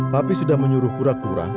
tapi sudah menyuruh kura kura